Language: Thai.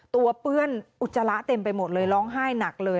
เปื้อนอุจจาระเต็มไปหมดเลยร้องไห้หนักเลย